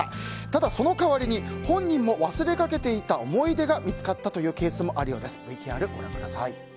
ただ、その代わりに本人も忘れかけていた思い出が見つかったというケースもあるようです。